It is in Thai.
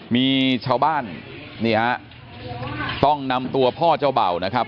มีชาวบ้านนี่ฮะต้องนำตัวพ่อเจ้าเบ่านะครับ